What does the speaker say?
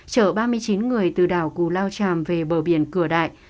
chở ba mươi chín người từ đảo cù lao tràm về bờ biển cửa đại